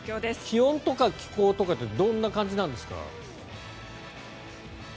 気温とか気候とかってどんな感じなんですか。